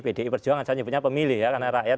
pdi perjuangan saya punya pemilih ya karena rakyat